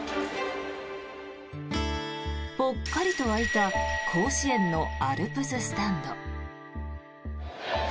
ぽっかりと空いた甲子園のアルプススタンド。